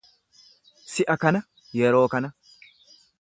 Si'a kana, yeroo kana.